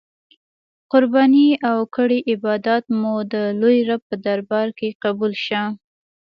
قربانې او کړی عبادات مو د لوی رب په دربار کی قبول شه.